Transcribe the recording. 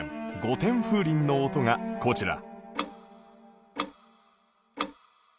御殿風鈴の音がこちら